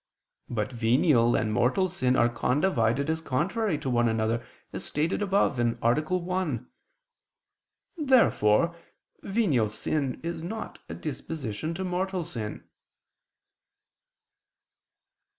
But venial and mortal sin are condivided as contrary to one another, as stated above (A. 1). Therefore venial sin is not a disposition to mortal sin.